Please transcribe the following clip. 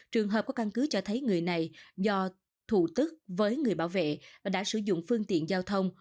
trường hợp có căn cứ cho thấy người này do tự thủ tức với người bảo vệ và đã sử dụng phương tiện giao thông